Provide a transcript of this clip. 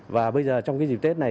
và bây giờ trong dịp tết này